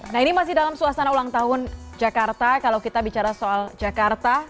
nah ini masih dalam suasana ulang tahun jakarta kalau kita bicara soal jakarta